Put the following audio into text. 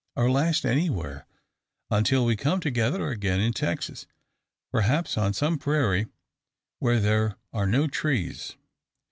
Our last anywhere, until we come together again in Texas perhaps on some prairie where there are no trees.